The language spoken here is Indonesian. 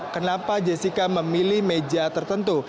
kenapa jessica memilih meja tertentu